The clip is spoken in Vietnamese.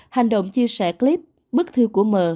hành động chia sẻ clip bức thư của m